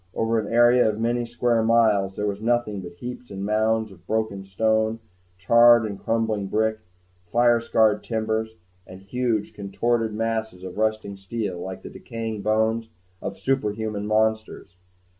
Over an area of many square miles, there was nothing but heaps and mounds of broken stone, charred and crumbling brick, fire scarred timbers, and huge contorted masses of rusting steel like the decaying bones of superhuman monsters.